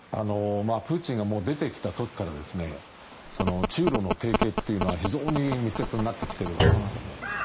プーチンが出てきた時から中ロの提携というのは非常に密接になってきているわけですね。